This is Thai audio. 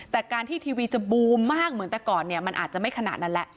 แต่การที่ทีวีจะบูมมากเหมือนแต่ก่อนเนี่ยมันอาจจะไม่ขนาดนั้นแหละ